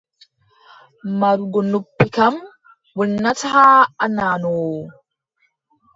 Marugo noppi kam, wonataa a nanoowo.